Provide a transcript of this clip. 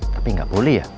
tapi nggak boleh ya